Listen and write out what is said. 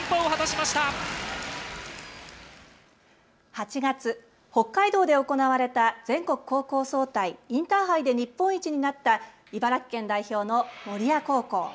８月、北海道で行われた全国高校総体・インターハイで日本一になった茨城県代表の守谷高校。